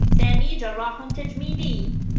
سامي جرّاح تجميلي.